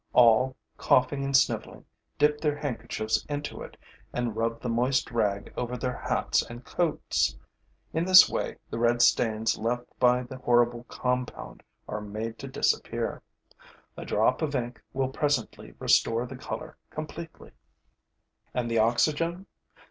All, coughing and sniveling, dip their handkerchiefs into it and rub the moist rag over their hats and coats. In this way, the red stains left by the horrible compound are made to disappear. A drop of ink will presently restore the color completely. And the oxygen?